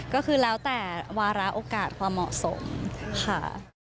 ก็คือแล้วแต่วาระโอกาสความเหมาะสมค่ะ